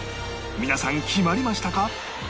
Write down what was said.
皆さん決まりましたか？